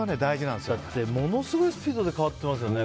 ものすごいスピードで変わってますよね。